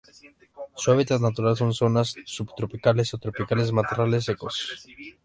Su hábitat natural son: zonas subtropicales o tropicales matorrales secos.